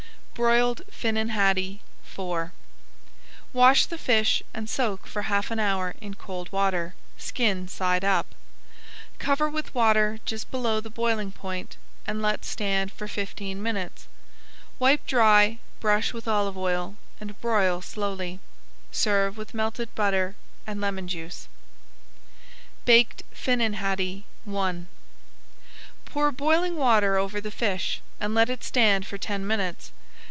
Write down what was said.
BROILED FINNAN HADDIE IV Wash the fish and soak for half an hour in cold water, skin side up. Cover with water just below the boiling point, and let stand for fifteen minutes. Wipe dry, brush with olive oil, and broil slowly. Serve with melted butter and lemon juice. BAKED FINNAN HADDIE I Pour boiling water over the fish, and let it stand for ten minutes.